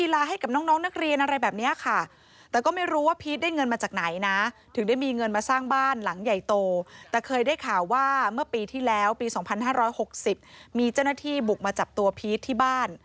ปี๒๕๖๐มีเจ้าหน้าที่บุกมาจับตัวพีทที่บ้าน